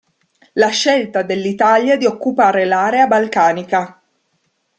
La scelta dell'Italia di occupare l'area balcanica.